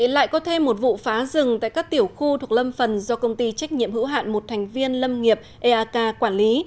lại có thêm một vụ phá rừng tại các tiểu khu thuộc lâm phần do công ty trách nhiệm hữu hạn một thành viên lâm nghiệp eak quản lý